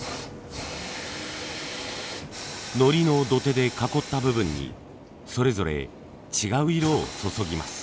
のりの土手で囲った部分にそれぞれ違う色を注ぎます。